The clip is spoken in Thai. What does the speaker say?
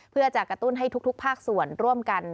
เพื่อจะกระตุ้นให้ทุกภาคส่วนร่วมกัน